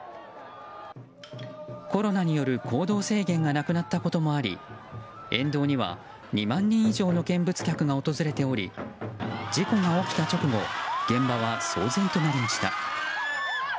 コロナによる行動制限がなくなったこともあり沿道には、２万人以上の見物客が訪れており事故が起きた直後現場は騒然となりました。